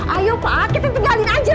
ai pak kita tinggalin aja